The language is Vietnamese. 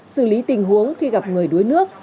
xử lý tình huống khi gặp người đuối nước